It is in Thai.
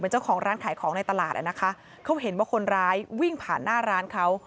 เจ้าของร้านขายของในตลาดอ่ะนะคะเขาเห็นว่าคนร้ายวิ่งผ่านหน้าร้านเขา